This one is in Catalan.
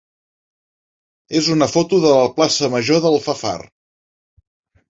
és una foto de la plaça major d'Alfafar.